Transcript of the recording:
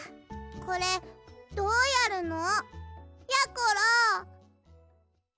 これどうやるの？やころ！